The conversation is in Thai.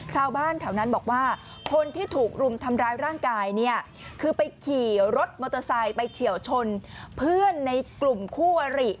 ชาวบ้านแถวนั้นบอกว่าคนที่ถูกรุมทำร้ายร่างกายเนี่ยคือไปขี่รถมอเตอร์ไซค์ไปเฉียวชนเพื่อนในกลุ่มคู่อริ